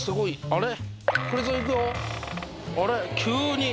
あれ？